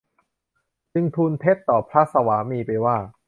จึงทูลเท็จต่อพระสวามีไปว่า